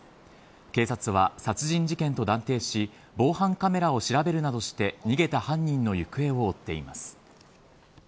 警察は殺人事件と断定し防犯カメラを調べるなどして逃げた犯人の行方を追っています。